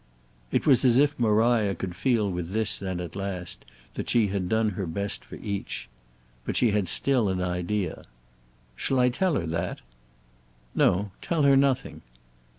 It was as if Maria could feel with this then at last that she had done her best for each. But she had still an idea. "Shall I tell her that?" "No. Tell her nothing."